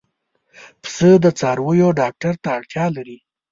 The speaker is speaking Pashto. پسه د څارویو ډاکټر ته اړتیا لري.